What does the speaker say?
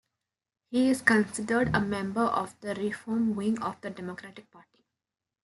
He is considered a member of the reform wing of the Democratic Party.